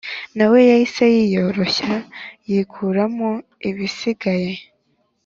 nawe yahise yiyoroshya yikuramo ibisigaye